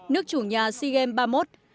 nước chủ nhà sea games ba mươi một